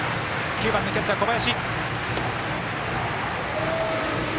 ９番キャッチャーの小林。